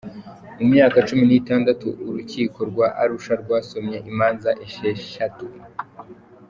Mu myaka cumi nitandatu Urukiko rwa Arusha rwasomye imanza esheshatu